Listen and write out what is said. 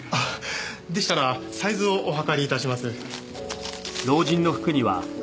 でしたらサイズをお測りいたします。